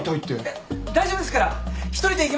えっ大丈夫ですから。１人で行けますから。